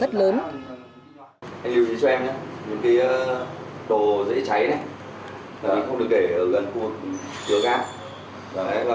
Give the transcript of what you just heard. anh lưu ý cho em những cái đồ dễ cháy này không được để ở gần khu vực ga